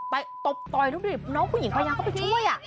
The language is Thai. ตบต่อยดูดิน้องผู้หญิงพยายามเข้าไปช่วย